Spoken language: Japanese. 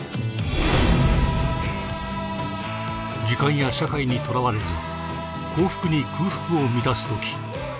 時間や社会にとらわれず幸福に空腹を満たすとき